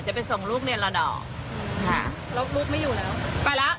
จะไปส่งลูกเรียนรอดอร์ค่ะรถบุ๊กไม่อยู่แล้วไปแล้ว